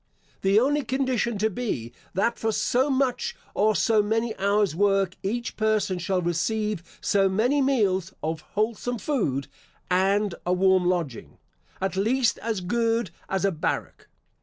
The only condition to be, that for so much, or so many hours' work, each person shall receive so many meals of wholesome food, and a warm lodging, at least as good as a barrack.